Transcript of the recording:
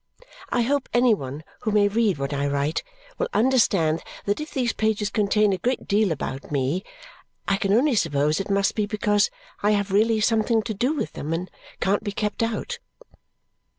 I hope any one who may read what I write will understand that if these pages contain a great deal about me, I can only suppose it must be because I have really something to do with them and can't be kept out.